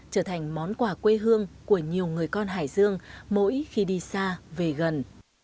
giá quả quê hương của nhiều người con hải dương mỗi khi đi xa về gần